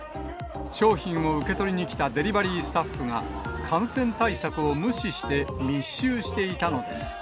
商品を受け取りに来たデリバリースタッフが、感染対策を無視して密集していたのです。